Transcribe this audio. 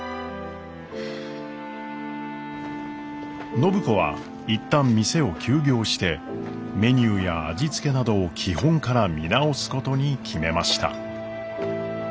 暢子は一旦店を休業してメニューや味付けなどを基本から見直すことに決めました。